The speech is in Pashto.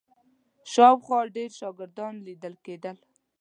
شاوخوا ډېر شاګردان لیدل کېدل.